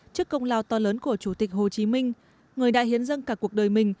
trước công lao to lớn của chủ tịch hồ chí minh người đã hiến dâng cả cuộc đời mình